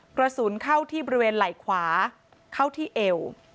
กระสุนเข้าที่บริเวณไหล่ขวาเข้าที่เอว